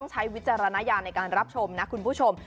ใช้วิจารณญาณในการรับชมนะคุณผู้ชม